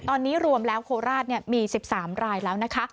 ตอนนี้รวมแล้วโคราชมี๑๓รายแล้วนะคะ